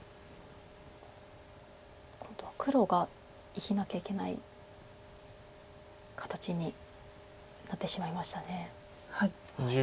今度は黒が生きなきゃいけない形になってしまいました。